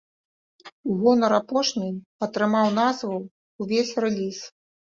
У гонар апошняй атрымаў назву увесь рэліз.